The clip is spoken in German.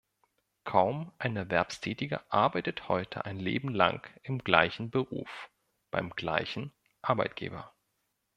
Kaum ein Erwerbstätiger arbeitet heute ein Leben lang im gleichen Beruf, beim gleichen Arbeitgeber.